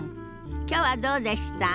きょうはどうでした？